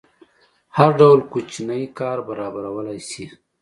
هر ډول کوچنی کار برابرولی شي.